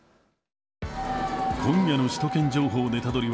今夜の首都圏情報ネタドリ！